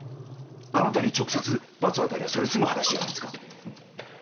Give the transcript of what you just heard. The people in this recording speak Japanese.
あなたに直接罰を与えればそれで済む話じゃないんですか？